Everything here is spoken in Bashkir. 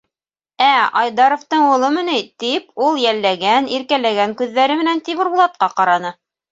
— Ә, Айдаровтың улымы ни? — тип, ул йәлләгән, иркәләгән күҙҙәре менән Тимербулатҡа ҡараны.